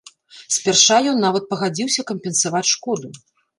Спярша ён нават пагадзіўся кампенсаваць шкоду.